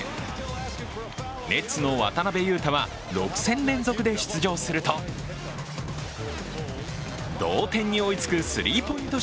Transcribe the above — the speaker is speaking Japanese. ネッツの渡邊雄太は６戦連続で出場すると同点に追いつくスリーポイント